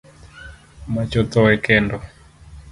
Mach otho e kendo